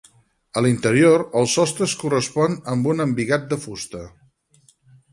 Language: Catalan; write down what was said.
A l'interior, el sostre es correspon amb un embigat de fusta.